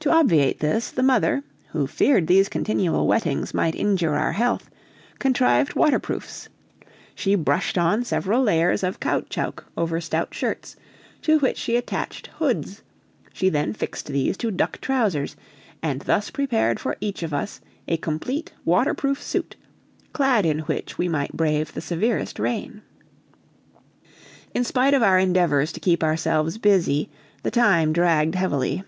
To obviate this, the mother, who feared these continual wettings might injure our health, contrived waterproofs: she brushed on several layers of caoutchouc over stout shirts, to which she attached hoods; she then fixed to these duck trousers, and thus prepared for each of us a complete waterproof suit, clad in which we might brave the severest rain. In spite of our endeavors to keep ourselves busy, the time dragged heavily.